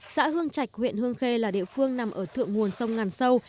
xã hương trạch huyện hương khê là địa phương nằm ở thượng nguồn sông ngàn sâu